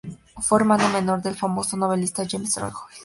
Fue hermano menor del famoso novelista James Joyce.